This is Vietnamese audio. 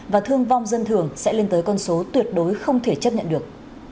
và thương vong dân thường sẽ lên tới con số tuyệt đối không thể chấp nhận được